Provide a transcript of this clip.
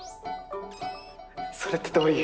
それってどういう。